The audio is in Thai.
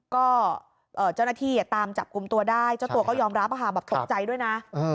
ก็เจ้าหน้าที่ตามจับกลุ่มตัวได้เจ้าตัวก็ยอมรับแบบตกใจด้วยนะ